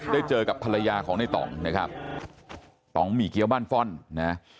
ได้เจอกับภรรยาของในต่องนะครับต่องหมี่เกี้ยวบ้านฟ่อนนะ